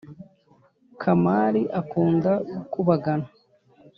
kamari akunda gukubagana